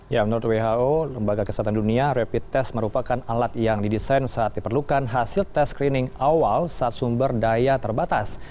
ya menurut who lembaga kesehatan dunia rapid test merupakan alat yang didesain saat diperlukan hasil tes screening awal saat sumber daya terbatas